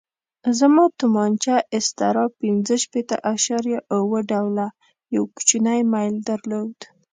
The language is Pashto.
زما تومانچه استرا پنځه شپېته اعشاریه اوه ډوله یو کوچنی میل درلود.